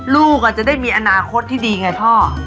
ลูกจะได้มีอนาคตที่ดีไงพ่อ